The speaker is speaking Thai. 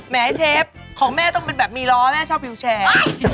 แม่เชฟของแม่ต้องเป็นแบบมีร้อนมีร้อนที่ชอบวิวแชร์